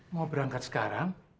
mau berangkat sekarang